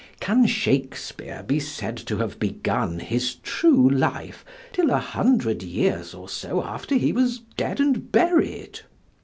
Can Shakespeare be said to have begun his true life till a hundred years or so after he was dead and buried?